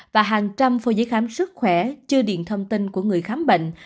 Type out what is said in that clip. và hàng trăm phô giấy khám sức khỏe chưa điện thông tin của người khám bệnh